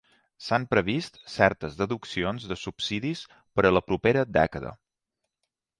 S'han previst certes deduccions de subsidis per a la propera dècada.